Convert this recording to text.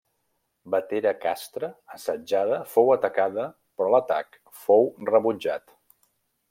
Vetera Castra, assetjada, fou atacada però l'atac fou rebutjat.